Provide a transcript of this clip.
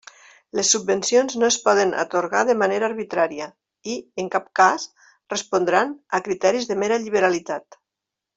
Les subvencions no es poden atorgar de manera arbitrària i, en cap cas, respondran a criteris de mera liberalitat.